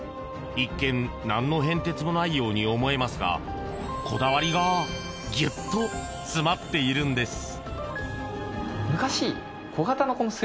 一見、何の変哲もないように思えますがこだわりがギュッと詰まっているんです。